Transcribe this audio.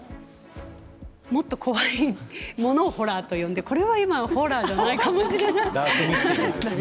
もっと怖いものをホラーというんで、これはまだホラーじゃないかもしれない。